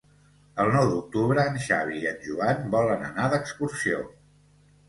El nou d'octubre en Xavi i en Joan volen anar d'excursió.